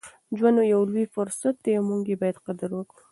ژوند یو لوی فرصت دی او موږ یې باید قدر وکړو.